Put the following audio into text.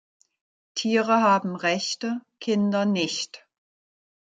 Tiere haben Rechte, Kinder nicht.